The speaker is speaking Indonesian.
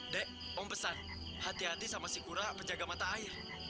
dek om pesan hati hati sama si kura menjaga mata air